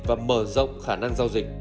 và mở rộng khả năng giao dịch